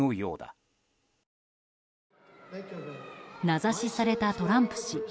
名指しされたトランプ氏